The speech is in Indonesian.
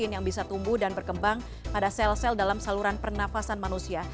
yang bisa tumbuh dan berkembang pada sel sel dalam saluran pernafasan manusia